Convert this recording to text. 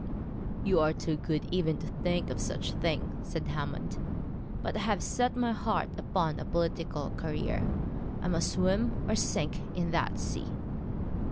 'You are too good even to think of such a thing,' said Hammond; 'but I have set my heart upon a political career. I must swim or sink in that sea.'